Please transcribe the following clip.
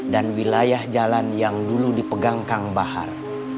dan wilayah jalan yang dulu dipegang kang bahar